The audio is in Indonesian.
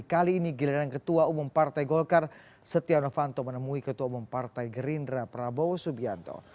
kali ini giliran ketua umum partai golkar setia novanto menemui ketua umum partai gerindra prabowo subianto